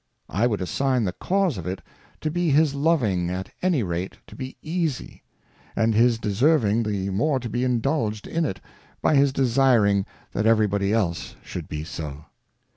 I would assign the Cause of it to be his loving at any rate to be easy, and his deserving the more to be indulged in it, by his desiring that every body else should be so.